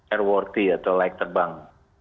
airworthy atau layak terbang